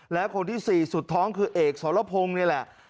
และคนที่๔สุดท้องคือเอกสรพงศ์นี่แหละ